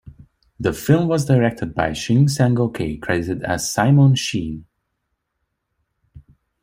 The film was directed by Shin Sang-ok, credited as "Simon Sheen".